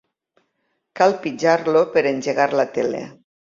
Cal pitjar-lo per engegar la tele.